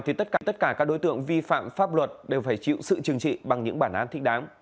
tất cả các đối tượng vi phạm pháp luật đều phải chịu sự chừng trị bằng những bản án thích đáng